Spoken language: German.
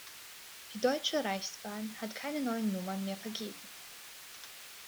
Die Deutsche Reichsbahn hat keine neuen Nummern mehr vergeben.